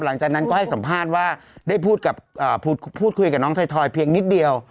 หลังจากนั้นก็ให้สัมภาษณ์ว่าได้พูดคุยกับน้องถอยเพียงนิดเดียว